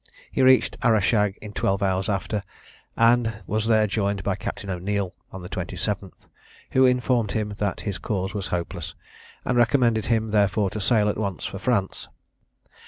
He reached Arrashag in twelve hours after, and was there joined by Captain O'Neil on the 27th, who informed him that his cause was hopeless, and recommended him, therefore, to sail at once for France.